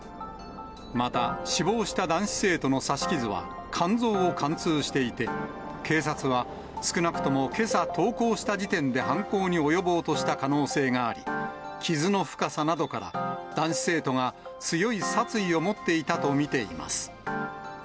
また、死亡した男子生徒の刺し傷は肝臓を貫通していて、警察は、少なくともけさ登校した時点で犯行に及ぼうとした可能性があり、傷の深さなどから、男子生徒が強い殺意を持っていたと見ています。